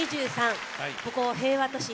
ここ平和都市